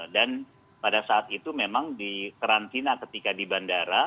dan pada saat itu memang di karantina ketika di bandara